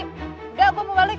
udah gue mau balik